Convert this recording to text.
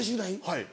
はい。